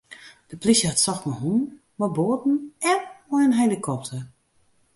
De plysje hat socht mei hûnen, mei boaten en mei in helikopter.